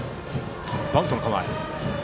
バントの構え。